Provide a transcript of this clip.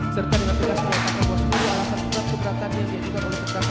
serta dengan kejelasan yang tak terbuat seluruh alasan perang keberatan yang tidak boleh terkata